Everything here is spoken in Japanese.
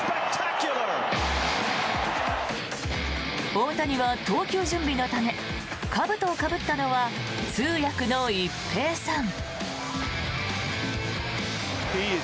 大谷は投球準備のためかぶとをかぶったのは通訳の一平さん。